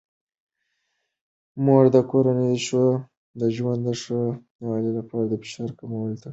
مور د کورني ژوند د ښه والي لپاره د فشار کمولو تخنیکونه کاروي.